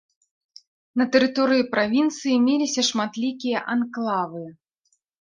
На тэрыторыі правінцыі меліся шматлікія анклавы.